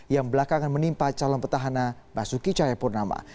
yang belakangan menimpa calon petahana basuki cahayapurnama